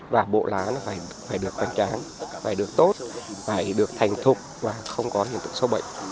và bộ lá nó phải được đánh tráng phải được tốt phải được thành thục và không có hiện tượng sâu bệnh